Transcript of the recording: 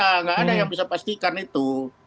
tidak ada yang bisa pastikan itu